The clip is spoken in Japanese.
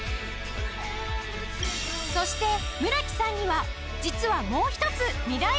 そして村木さんには実はもう一つミライプランが！